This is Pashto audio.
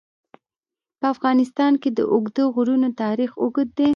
په افغانستان کې د اوږده غرونه تاریخ اوږد دی.